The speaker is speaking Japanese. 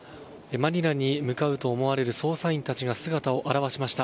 マニラに向かうと思われる捜査員たちが姿を現しました。